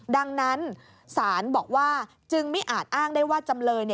ดังนั้นศาลบอกว่าจึงไม่อาจอ้างได้ว่าจำเลย